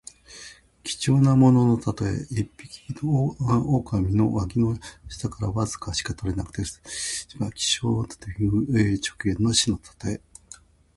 貴重なもののたとえ。一匹の狐の脇の下からわずかしか取れない白くて美しい毛皮の意。また、希少なという意から直言の士のたとえ。